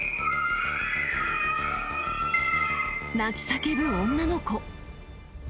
泣き叫ぶ女の子。